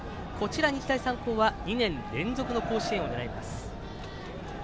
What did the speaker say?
日大三高は２年連続甲子園を狙います。